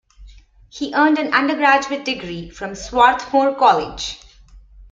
He earned an undergraduate degree from Swarthmore College.